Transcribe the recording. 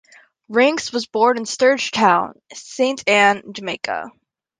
Ranks was born in Sturgetown, Saint Ann, Jamaica.